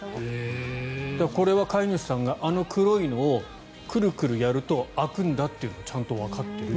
これは飼い主さんがあの黒いのをクルクルやると開くんだっていうのをちゃんとわかっている。